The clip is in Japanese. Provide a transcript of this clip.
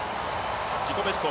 自己ベスト